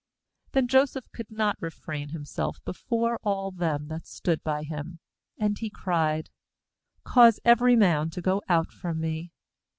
AK Then Joseph could not refrain •*u himself before all them that stood by him; and he cried: 'Cause every man to go out from me.